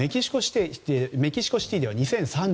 メキシコシティでは２０３１年。